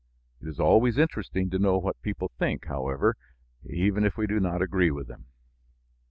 It is always interesting to know what people think, however, even if we do not agree with them.